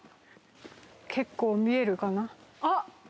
結構見えるかな。